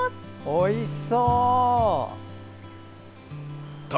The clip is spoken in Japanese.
おいしそう！